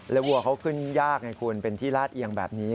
วัวเขาขึ้นยากไงคุณเป็นที่ลาดเอียงแบบนี้